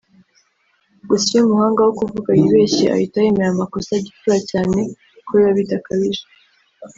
gusa iyo umuhanga wo kuvuga yibeshye ahita yemera amakosa gipfura cyane ko biba bidakabije